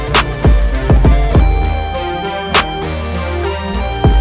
mama kau gue jadi sia sia